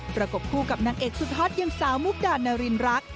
ประกบคู่กับนางเอกสุดฮอตยังสาวมุกดานารินรัก